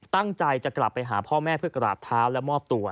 ตั้งใจจะกลับไปหาพ่อแม่เพื่อกราบเท้าและมอบตัว